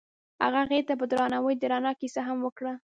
هغه هغې ته په درناوي د رڼا کیسه هم وکړه.